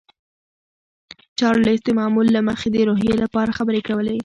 چارلیس د معمول له مخې د روحیې لپاره خبرې کولې